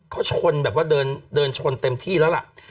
เขาชนแบบว่าเดินชนเต็มที่แล้วล่ะ